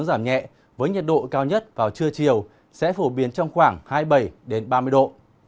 giảm nhẹ với nhiệt độ cao nhất vào trưa chiều sẽ phổ biến trong khoảng hai mươi bảy ba mươi độ